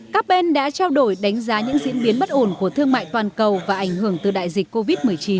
các bên đã trao đổi đánh giá những diễn biến bất ổn của thương mại toàn cầu và ảnh hưởng từ đại dịch covid một mươi chín